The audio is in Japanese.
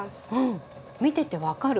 見てて分かる。